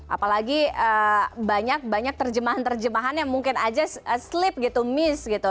apalagi banyak banyak terjemahan terjemahan yang mungkin aja sleep gitu miss gitu